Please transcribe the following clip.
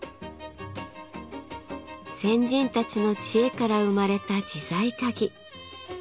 先人たちの知恵から生まれた自在鉤。